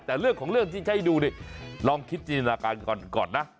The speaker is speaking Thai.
แต่เรื่องของเรื่องที่ง่ายดูลองคิดจีนละการก่อนนะ